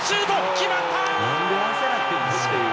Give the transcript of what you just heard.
決まった！